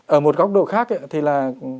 ở một góc độ khác thì là